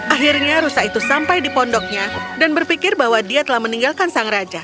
akhirnya rusa itu sampai di pondoknya dan berpikir bahwa dia telah meninggalkan sang raja